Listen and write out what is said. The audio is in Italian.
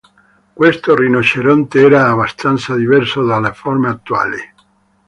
Questo rinoceronte era abbastanza diverso dalle forme attuali.